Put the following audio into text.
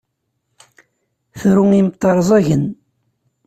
Tru imeṭṭi rẓagen.